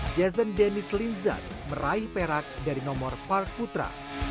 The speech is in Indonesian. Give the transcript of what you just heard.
jason dennis linzat meraih perak dari nomor park putra